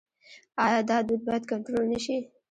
آیا دا دود باید کنټرول نشي؟